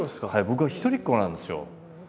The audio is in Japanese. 僕は一人っ子なんですよ。